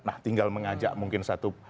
nah tinggal mengajak mungkin satu